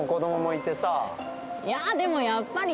いやでもやっぱりね。